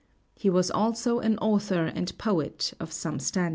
He was also an author and poet of some standing.